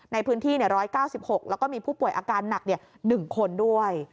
ในพื้นที่๑๙๖แล้วก็มีผู้ป่วยอาการหนัก๑คนด้วย